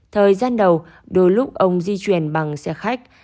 thời gian đầu đôi lúc ông di chuyển bằng xe khách